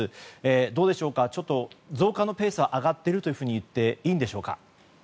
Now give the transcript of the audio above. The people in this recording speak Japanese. どうでしょうか、増加のペース上がっているといっていいでしょうか。